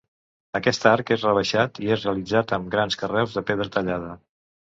Aquest arc és rebaixat i és realitzat amb grans carreus de pedra tallada.